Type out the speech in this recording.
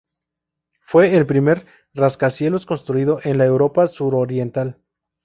Fue el primer rascacielos construido en la Europa suroriental.